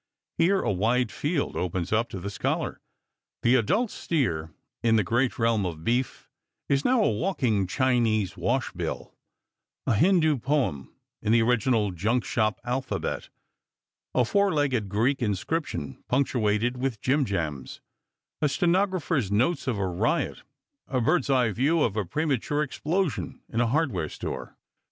Here a wide field opens up to the scholar. The adult steer in the great realm of beef is now a walking Chinese wash bill, a Hindoo poem in the original junk shop alphabet, a four legged Greek inscription, punctuated with jim jams, a stenographer's notes of a riot, a bird's eye view of a premature explosion in a hardware store.